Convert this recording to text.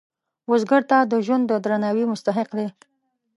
بزګر ته د ژوند د درناوي مستحق دی